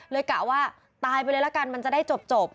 กะว่าตายไปเลยละกันมันจะได้จบ